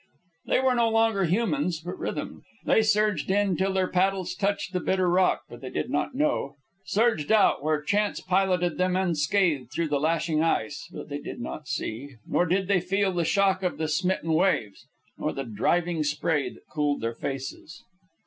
They were no longer humans, but rhythms. They surged in till their paddles touched the bitter rock, but they did not know; surged out, where chance piloted them unscathed through the lashing ice, but they did not see. Nor did they feel the shock of the smitten waves, nor the driving spray that cooled their faces.